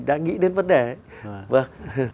đã nghĩ đến vấn đề ấy